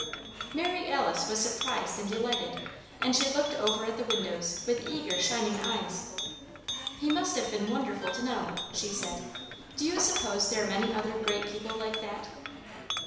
Mary Alice was surprised and delighted, and she looked over at the windows with eager, shining eyes. "He must have been wonderful to know," she said. "Do you suppose there are many other great people like that?"